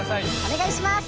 お願いします！